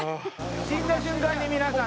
「死んだ瞬間に皆さん手をね」